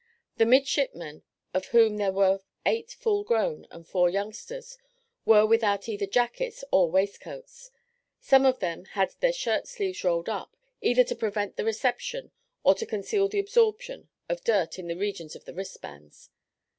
The midshipmen, of whom there were eight full grown, and four youngsters, were without either jackets or waistcoats; some of them had their shirt sleeves rolled up, either to prevent the reception or to conceal the absorption of dirt in the region of the wristbands.